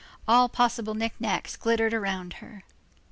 All possible knickknacks glittered around her.